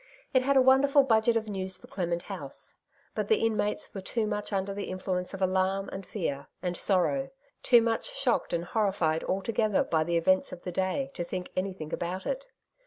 It had a wonderful budget of news for Clement House; but the inmates were too much under the influence of alarm, and fear, and sorrow : too much shocked and horri fied altogether by the events of the day, to think anything about it.